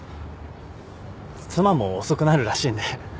妻も遅くなるらしいんで。